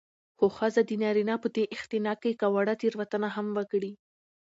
خو ښځه د نارينه په دې اختناق کې که وړه تېروتنه هم وکړي